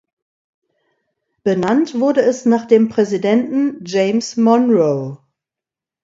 Benannt wurde es nach dem Präsidenten James Monroe.